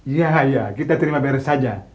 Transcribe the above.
iya kita terima beres aja